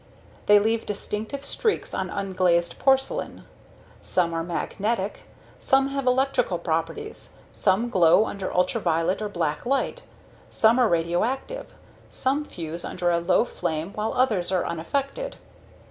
They leave distinctive streaks on unglazed porcelain. Some are magnetic, some have electrical properties, some glow under ultraviolet or black light, some are radioactive, some fuse under a low flame while others are unaffected.